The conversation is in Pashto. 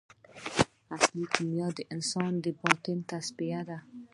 اصلي کیمیا د انسان باطني تصفیه ده.